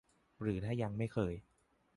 หรือถ้ายังไม่เคย